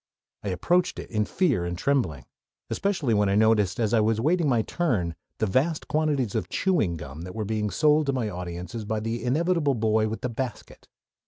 I approached it in fear and trembling, especially when I noticed as I was awaiting my "turn" the vast quantities of chewing gum that were being sold to my audience by the inevitable boy with the basket.